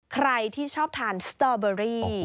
ใครที่ชอบทานสตอเบอรี่